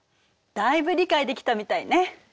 だいぶ理解できたみたいね。